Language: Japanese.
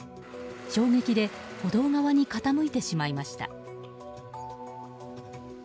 衝撃で歩道側に傾いてしまいました。